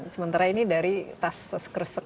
sementara ini dari tas keresek ya